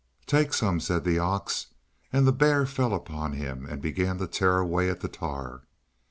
"Take some," said the ox, and the bear fell upon him and began to tear away at the tar.